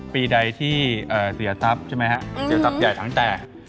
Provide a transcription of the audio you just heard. ปีใดที่เสียทรัพย์ใช่ไหมฮะเสียทรัพย์ใหญ่ตั้งแต่